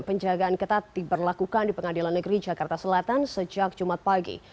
penjagaan ketat diberlakukan di pengadilan negeri jakarta selatan sejak jumat pagi